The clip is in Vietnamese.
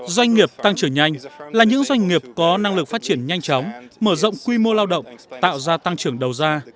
doanh nghiệp tăng trưởng nhanh là những doanh nghiệp có năng lực phát triển nhanh chóng mở rộng quy mô lao động tạo ra tăng trưởng đầu ra